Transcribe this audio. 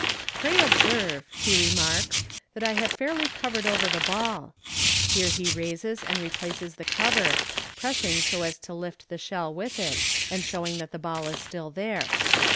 " Pray observe," he remarks, " that I have fairly covered over the oall " (here he raises and replaces the cover, pressing so as to lift the shell with it, and showing that the ball is still there).